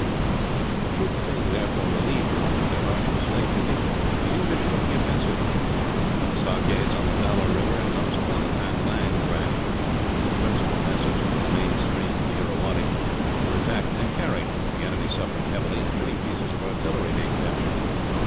The troops being, therefore, relieved of much of their arduous night duty, the English took the offensive. The stockades on the Dalla river, and those upon the Panlang branch the principal passage into the main stream of the Irrawaddy were attacked and carried, the enemy suffering heavily, and many pieces of artillery being captured.